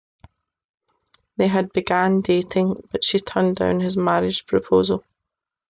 They began dating, but she turned down his marriage proposal.